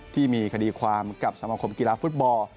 ที่มีคดีความกับสมคมกีฬาฟุตบอล